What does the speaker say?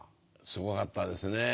すごかったですね。